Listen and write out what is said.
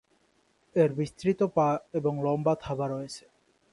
এর বিস্তৃত পা এবং লম্বা থাবা রয়েছে।